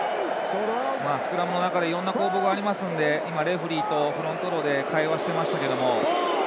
スクラムの中でいろんな攻防がありますのでレフリーとフロントローで会話していましたが。